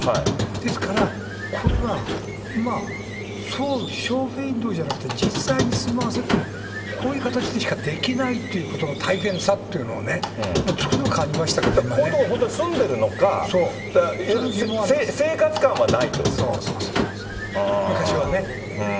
ですから、これはまあ、ショーウインドーじゃなくて、実際に住まわせても、こういう形にしかできないということの大変さというのこういうとこに本当に住んでるのか、生活感はないということですよね。